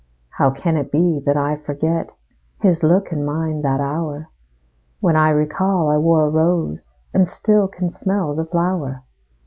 How can it be that I forget His look and mein that hour, When I recall I wore a rose, And still can smell the flower?